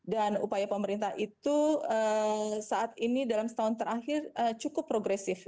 dan upaya pemerintah itu saat ini dalam setahun terakhir cukup progresif